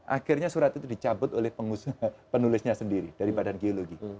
akhirnya surat itu dicabut oleh penulisnya sendiri dari badan geologi